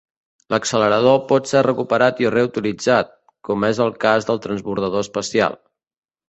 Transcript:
L'accelerador pot ser recuperat i reutilitzat, com és el cas del transbordador espacial.